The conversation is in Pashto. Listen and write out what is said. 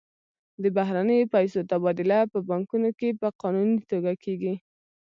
د بهرنیو پیسو تبادله په بانکونو کې په قانوني توګه کیږي.